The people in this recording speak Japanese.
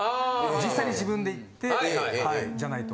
実際に自分で行ってはいじゃないと。